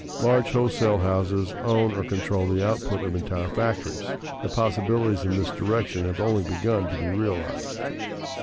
Large wholesale houses own or control the output of entire factories. The possibilities in this direction have only begun to be realized.